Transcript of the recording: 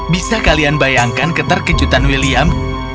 bisa kalian bayangkan keterkejutan william